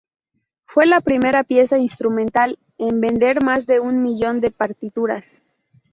Fue la primera pieza instrumental en vender más de un millón de partituras.